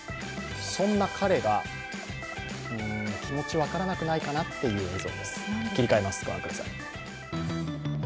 そんな彼が、気持ち、分からなくないかなっていう映像です。